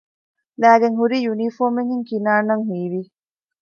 ލައިގެންހުރީ ޔުނީފޯމެއްހެން ކިނާންއަށް ހީވި